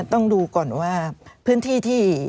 ต้องดูก่อนว่าพื้นที่ที่